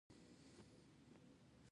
هغه خلک خپل حضور ته منل.